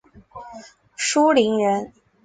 舒磷人。